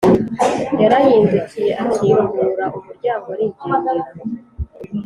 yarahindukiye akingura umuryango arigendera.